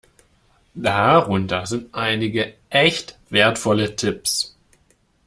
Darunter sind einige echt wertvolle Tipps.